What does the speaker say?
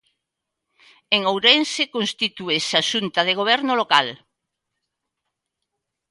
En Ourense constitúese a Xunta de Goberno local.